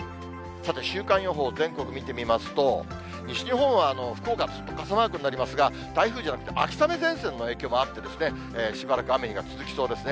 さて週間予報、全国見てみますと、西日本は福岡はずっと傘マークになりますが、台風じゃなくて秋雨前線の影響もあってですね、しばらく雨が続きそうですね。